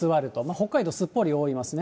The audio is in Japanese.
北海道、すっぽり覆いますね。